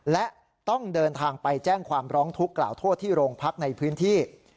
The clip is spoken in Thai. และต้องเดินทางไปแจ้งความร้องทุกข์กล่าวโทษที่โรงพักในพื้นที่